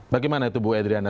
bagaimana itu bu edriana